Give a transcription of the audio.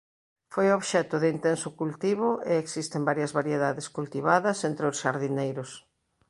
Foi obxecto de intenso cultivo e existen varias variedades cultivadas entre os xardineiros.